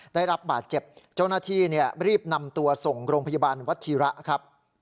ได้รับบาดเจ็บเจ้าหน้าที่รีบนำตัวส่งโรงพยาบาลวัชิระครับ